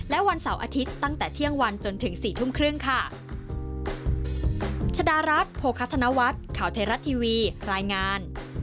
และวันเสาร์อาทิตย์ตั้งแต่เที่ยงวันจนถึง๔ทุ่มครึ่งค่ะ